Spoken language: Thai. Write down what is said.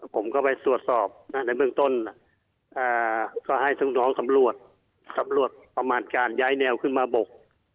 ผมก็ไปตรวจสอบในเบื้องต้นก็ให้ลูกน้องสำรวจสำรวจประมาณการย้ายแนวขึ้นมาบก